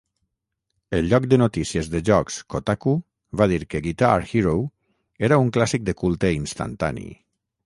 El lloc de notícies de jocs Kotaku va dir que "Guitar Hero" era un "clàssic de culte instantani".